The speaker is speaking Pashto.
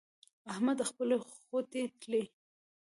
احمد خپلې خوټې تلي.